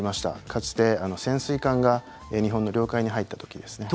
かつて、潜水艦が日本の領海に入った時ですね。